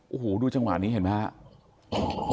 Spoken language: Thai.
โอ้โหดูจังหวะนี้เห็นไหมครับ